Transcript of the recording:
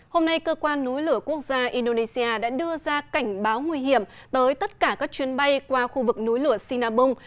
hôm nay cơ quan núi lửa quốc gia indonesia đã đưa ra cảnh báo nguy hiểm tới tất cả các chuyến bay qua khu vực núi lửa sinabung